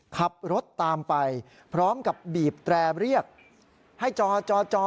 ขับรถตามไปพร้อมกับบีบแตรเรียกให้จอจอจอ